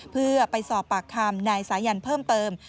เพื่อไปสอบปากคำนายสายันเพิ่มเติม